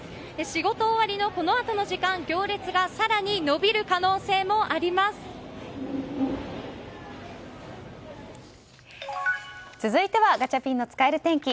仕事終わりのこのあとの時間行列が続いてはガチャピンの使える天気。